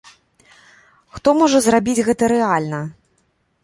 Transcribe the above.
Хто можа зрабіць гэта рэальна?